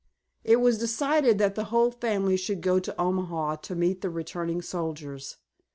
It was decided that the whole family should go to Omaha to meet the returning soldiers.